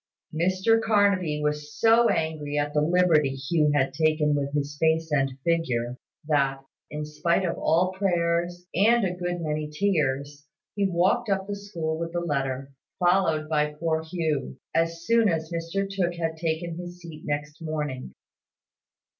Mr Carnaby was so angry at the liberty Hugh had taken with his face and figure, that, in spite of all prayers, and a good many tears, he walked up the school with the letter, followed by poor Hugh, as soon as Mr Tooke had taken his seat next morning.